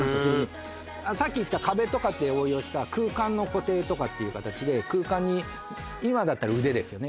さっき言った壁とかって応用した空間の固定とかっていう形で空間に今だったら腕ですね